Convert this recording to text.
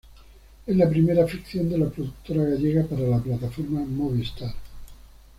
Es la primera ficción de la productora gallega para la plataforma Movistar.